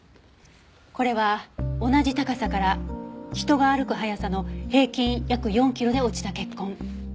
これは同じ高さから人が歩く速さの平均約４キロで落ちた血痕。